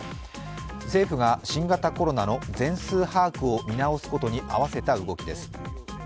政府が新型コロナの全数把握を見直すことに合わせた動きです。